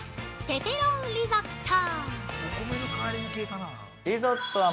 ペペロンリゾット！